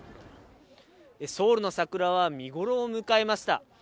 ソウルの桜は見頃を迎えました。